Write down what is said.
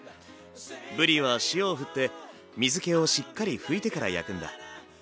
ぶりは塩をふって水けをしっかり拭いてから焼くんだ。